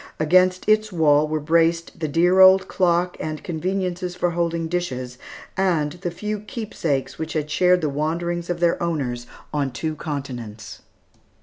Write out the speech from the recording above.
Against its wall were braced the dear old clock and conveniences for holding dishes, and the few keepsakes which had shared the wanderings of their owners on two continents.